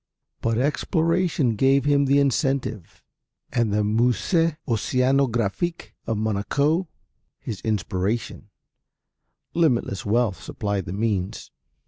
But Exploration gave him the incentive and the Musée Océanographique of Monaco his inspiration, limitless wealth supplied the means.